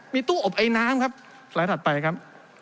มีตู้อบไอน้ำครับสไลด์ถัดไปครับ